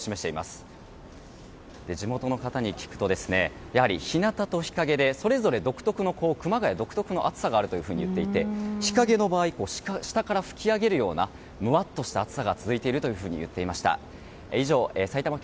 地元の方に聞くと日なたと日陰でそれぞれ熊谷独特の暑さがあると言っていて、日陰の場合下から噴き上げるようなむわっとした暑さが続いているといっていました。